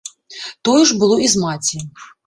Тое ж было і з маці.